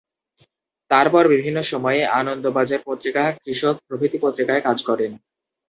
তারপর বিভিন্ন সময়ে 'আনন্দবাজার পত্রিকা','কৃষক' প্রভৃতি পত্রিকায় কাজ করেন।